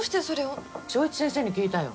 正一先生に聞いたよ。